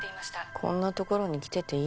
こんなところに来てていいの？